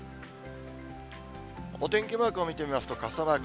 お天気マークを見てみますと、傘マーク。